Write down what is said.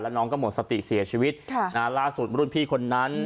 แล้วน้องก็หมดสติเสียชีวิตล่าศุดรุ่นที่คนนั้น